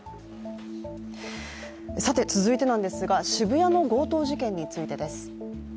続いては、渋谷の強盗事件についてです。